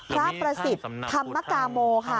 พระประสิทธิ์ธรรมกาโมค่ะ